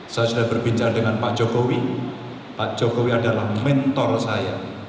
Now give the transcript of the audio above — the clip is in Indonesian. saya sudah berbincang dengan pak jokowi pak jokowi adalah mentor saya